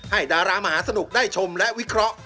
ดารามหาสนุกได้ชมและวิเคราะห์